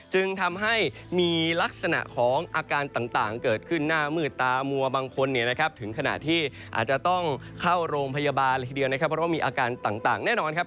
จึงทำให้มีลักษณะของอาการต่างเกิดขึ้นหน้ามืดตามัวบางคนเนี่ยนะครับถึงขณะที่อาจจะต้องเข้าโรงพยาบาลเลยทีเดียวนะครับเพราะว่ามีอาการต่างแน่นอนครับ